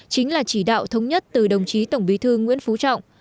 chính là chỉ đạo thống nhất từ đồng chí tổng bí thư nguyễn phú trọng